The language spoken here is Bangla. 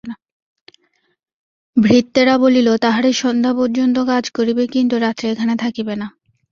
ভৃত্যেরা বলিল, তাহারা সন্ধ্যা পর্যন্ত কাজ করিবে, কিন্তু রাত্রে এখানে থাকিবে না।